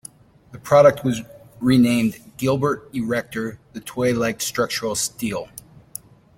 The product was renamed "Gilbert Erector, The Toy Like Structural Steel".